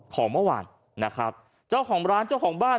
ของเมื่อวานนะครับเจ้าของร้านเจ้าของบ้าน